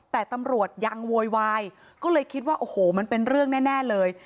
แต่ตำรวจยังโวยวายก็เลยคิดว่าโอ้โหมันเป็นเรื่องแน่เลย